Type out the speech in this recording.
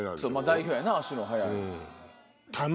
代表やな足の速い。